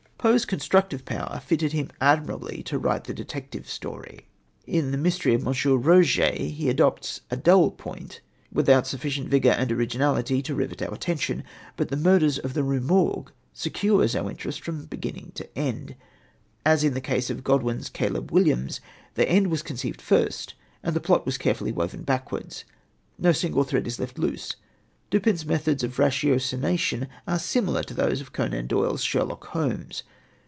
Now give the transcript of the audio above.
Poe's constructive power fitted him admirably to write the detective story. In The Mystery of M. Roget he adopts a dull plot without sufficient vigour and originality to rivet our attention, but The Murders of the Rue Morgue secures our interest from beginning to end. As in the case of Godwin's Caleb Williams, the end was conceived first and the plot was carefully woven backwards. No single thread is left loose. Dupin's methods of ratiocination are similar to those of Conan Doyle's Sherlock Holmes.